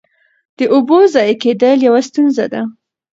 د اوبو ضایع کېدل یوه ستونزه ده.